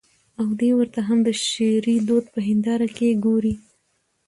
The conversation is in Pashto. او دى ورته هم د شعري دود په هېنداره کې ګوري.